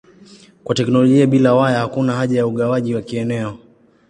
Kwa teknolojia bila waya hakuna haja ya ugawaji wa kieneo.